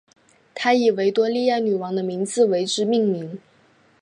他以维多利亚女王的名字为之命名。